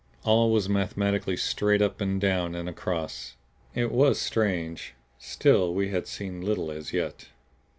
All was mathematically straight up and down and across. It was strange still we had seen little as yet.